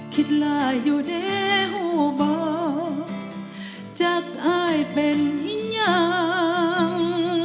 คิดอะไรอยู่เด้อยุ่บอบจักอ้ายเป็นอย่าง